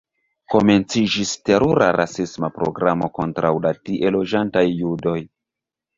Komenciĝis terura rasisma programo kontraŭ la tie loĝantaj judoj.